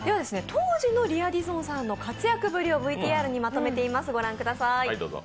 当時のリア・ディゾンさんの活躍ぶりをＶＴＲにまとめてあります